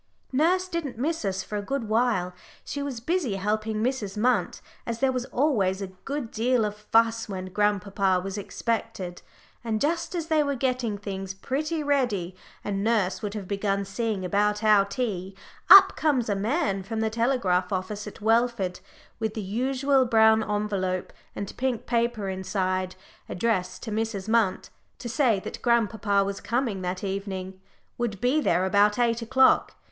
Nurse didn't miss us for a good while; she was busy helping Mrs. Munt, as there was always a good deal of fuss when grandpapa was expected. And just as they were getting things pretty ready, and nurse would have begun seeing about our tea, up comes a man from the telegraph office at Welford with the usual brown envelope and pink paper inside, addressed to Mrs. Munt, to say that grandpapa was coming that evening, would be there about eight o'clock.